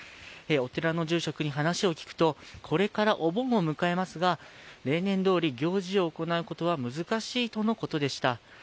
お寺の住職に話を聞くと、これからお盆を迎えますが、例年どおり行事を行うことは難しいとのことでした。